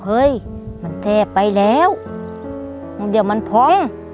เฮ้ยมันแทบไปแล้วเดี๋ยวมันพอง